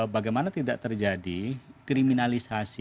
bagaimana tidak terjadi kriminalisasi